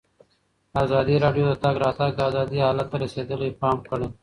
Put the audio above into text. ازادي راډیو د د تګ راتګ ازادي حالت ته رسېدلي پام کړی.